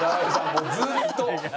もうずっと！